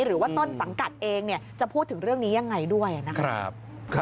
หรือว่าต้นสังกัดเองจะพูดถึงเรื่องนี้ยังไงด้วยนะครับ